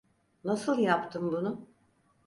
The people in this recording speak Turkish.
Nasıl yaptın bunu?